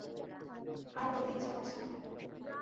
আর বলতে ইচ্ছে করছে না।